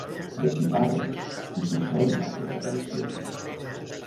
De qui parles? I qui són, aquests avariciosos?